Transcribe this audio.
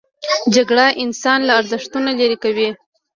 جګړه انسان له ارزښتونو لیرې کوي